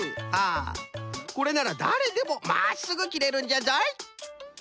これならだれでもまっすぐ切れるんじゃぞい。